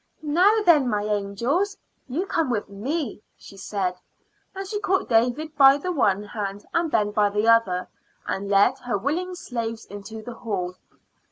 "Now, then, my angels, you come with me," she said, and she caught David by the one hand and Ben by the other, and led her willing slaves into the hall.